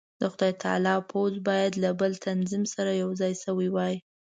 د خدای تعالی پوځ باید له بل تنظیم سره یو ځای شوی وای.